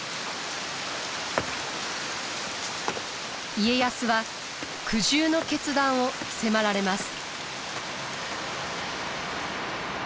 家康は苦渋の決断を迫られます。